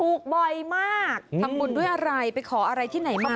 บ่อยมากทำบุญด้วยอะไรไปขออะไรที่ไหนมา